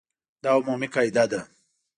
دا عمومي قاعده ده.